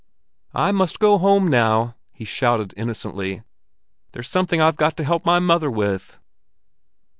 "I must go home now!" he shouted innocently. "There's something I've got to help mother with."